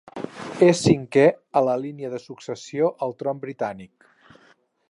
És cinquè en la línia de successió al tron britànic.